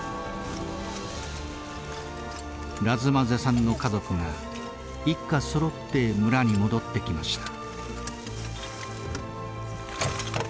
ラズマゼさんの家族が一家そろって村に戻ってきました。